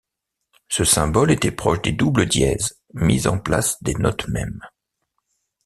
Ce symbole était proche des doubles dièses, mis en place des notes mêmes.